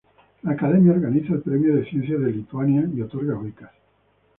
La Academia organiza el Premio de Ciencias de Lituania y otorga becas.